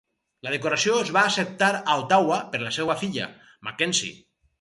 La decoració es va acceptar a Ottawa per la seva filla, Mackenzie.